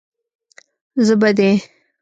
زه به دې.